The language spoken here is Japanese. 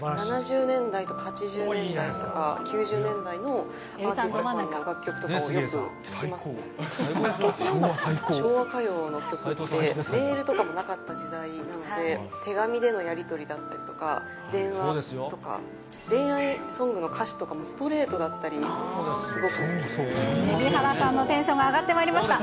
７０年代とか８０年代とか、９０年代のアーティストさんの楽きっかけって、なんだったん昭和歌謡の曲って、メールとかもなかった時代なので、手紙でのやり取りだったりとか、電話とか、恋愛ソングの歌詞とかもストレートだったり、すごく好きです蛯原さんのテンションが上がってまいりました。